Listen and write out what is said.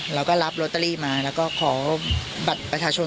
เราก็รับลอตเตอรี่มาแล้วก็ขอบัตรประชาชน